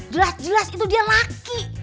jelas jelas itu dia laki